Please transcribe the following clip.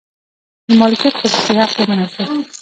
د مالکیت خصوصي حق ومنل شو.